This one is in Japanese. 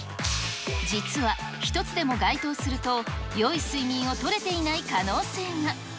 実は１つでも該当すると、よい睡眠をとれていない可能性が。